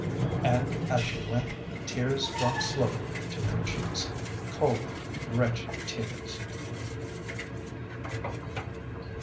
And as she went tears dropped slowly to her cheeks cold, wretched tears.